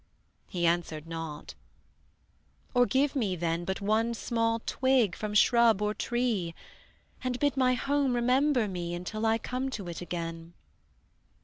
He answered not. "Or give me, then, But one small twig from shrub or tree; And bid my home remember me Until I come to it again."